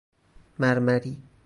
مرمری